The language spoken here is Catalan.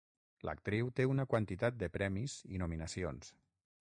L'actriu té una quantitat de premis i nominacions.